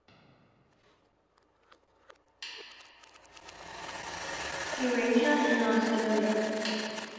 Eurasia and Australia.